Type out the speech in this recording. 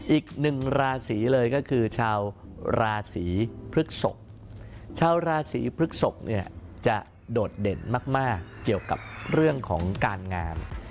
อีกหนึ่งราศีเลยก็คือชาวราศีพฤกษกชาวราศีพฤกษกเนี่ยจะโดดเด่นมากเกี่ยวกับเรื่องของการงาน